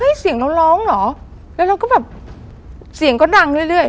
เสียงเราร้องเหรอแล้วเราก็แบบเสียงก็ดังเรื่อย